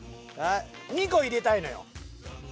２個入れたいのよ。